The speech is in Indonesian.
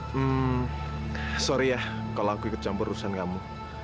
hmm sorry ya kalau aku kecam perusahaan kamu